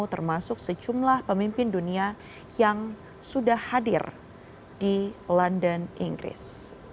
termasuk sejumlah pemimpin dunia yang sudah hadir di london inggris